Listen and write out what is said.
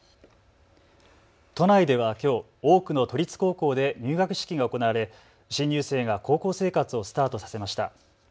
都内ではきょう多くの都立高校で入学式が行われ新入生が高校生活をスタートさせました。